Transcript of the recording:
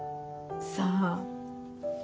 さあ。